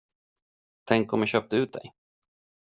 Tänk om jag köpte ut dig?